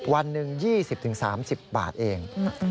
วันหนึ่ง๒๐๓๐บาทเอง